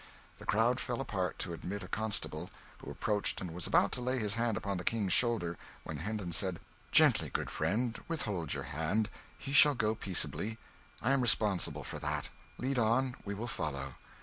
The crowd fell apart to admit a constable, who approached and was about to lay his hand upon the King's shoulder, when Hendon said "Gently, good friend, withhold your hand he shall go peaceably; I am responsible for that. Lead on, we will follow."